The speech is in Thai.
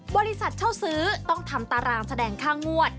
บริษัทเช่าซื้อต้องทำตารางแสดงค่างวด